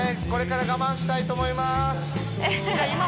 これから我慢したいと思いますじゃあ